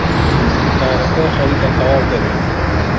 کارەکە خەریکە تەواو دەبێت.